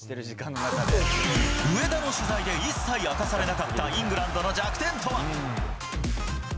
上田の取材で一切明かされなかったイングランドの弱点とは。